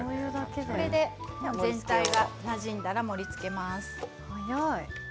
これで全体がなじんだら盛りつけます。